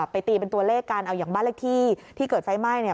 ไปตีเป็นตัวเลขกันอย่างบ้านละที่ที่เกิดไฟไหม้